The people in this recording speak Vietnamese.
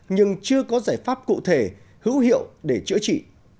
nhưng chưa có giải pháp cụ thể hữu hiệu để chữa trị